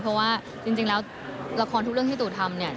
เพราะว่าจริงแล้วละครทุกเรื่องที่ตู่ทำเนี่ย